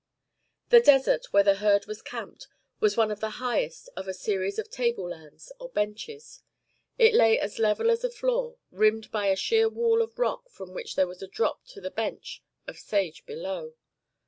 The desert, where the herd was camped, was one of the highest of a series of table lands, or benches; it lay as level as a floor, rimmed by a sheer wall of rock from which there was a drop to the bench of sage below.